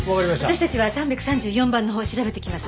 私たちは３３４番のほう調べてきます。